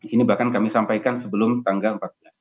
ini bahkan kami sampaikan sebelum tanggal empat belas